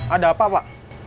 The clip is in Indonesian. ada apa pak